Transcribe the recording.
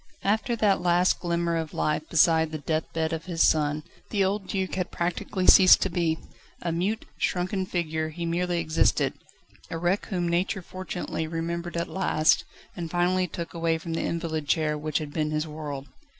After that last glimmer of life beside the deathbed of his son, the old Duc had practically ceased to be. A mute, shrunken figure, he merely existed; his mind vanished, his memory gone, a wreck whom Nature fortunately remembered at last, and finally took away from the invalid chair which had been his world.